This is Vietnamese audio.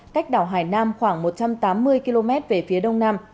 cách đảo hải nam khoảng một trăm tám mươi km về phía đông nam